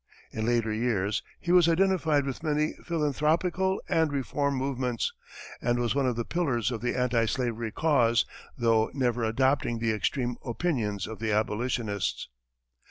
In later years, he was identified with many philanthropical and reform movements, and was one of the pillars of the anti slavery cause, though never adopting the extreme opinions of the abolitionists.